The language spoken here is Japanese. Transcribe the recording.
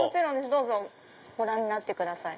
どうぞご覧になってください。